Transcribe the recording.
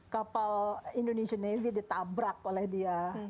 kapal indonesia navy ditabrak oleh dia